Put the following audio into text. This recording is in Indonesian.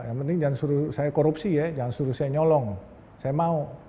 yang penting jangan suruh saya korupsi ya jangan suruh saya nyolong saya mau